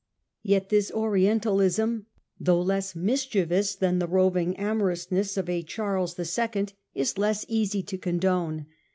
Yet this Orientalism, though less mischievous than the roving amorousness of a Charles the Second, is less easy to condone.